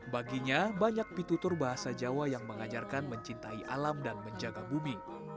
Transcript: baginya banyak pitutur bahasa jawa yang mengajarkan mencintai alam dan menjaga bumi